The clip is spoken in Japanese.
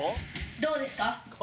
どうですか？